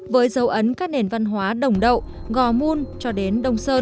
với dấu ấn các nền văn hóa đồng đậu gò mun cho đến đông sơn